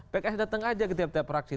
pks datang aja ke tiap tiap fraksi